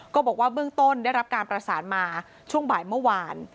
ก็บอกว่าเบื้องต้นได้รับการประสานมาช่วงบ่ายเมื่อวาน